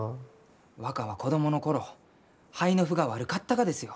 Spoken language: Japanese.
若は子どもの頃肺の腑が悪かったがですよ。